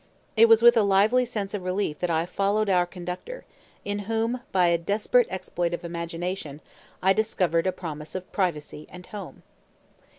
It was with a lively sense of relief that I followed our conductor, in whom, by a desperate exploit of imagination, I discovered a promise of privacy and "home."